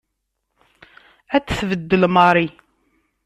Ad t-tbeddel Mary.